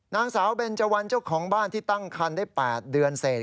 นางสาวเบนเจวันเจ้าของบ้านที่ตั้งคันได้๘เดือนเสร็จ